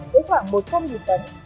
với khoảng một trăm linh tấn